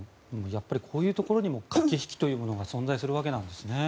やっぱり、こういうところにも駆け引きというものが存在するわけなんですね。